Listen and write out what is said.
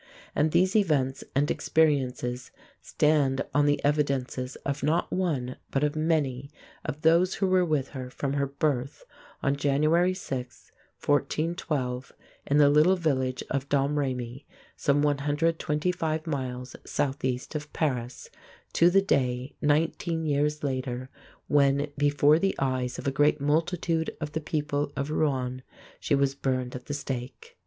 And these events and experiences stand on the evidences of not one, but of many, of those who were with her from her birth on January 6, 1412, in the little village of Domrémy, some 125 miles southeast of Paris, to the day nineteen years later, when, before the eyes of a great multitude of the people of Rouen (roo ong), she was burned at the stake.